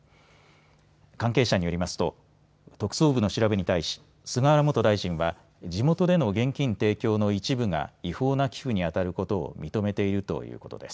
関係者によりますと特捜部の調べに対し菅原元大臣は地元での現金提供の一部が違法な寄付にあたることを認めているということです。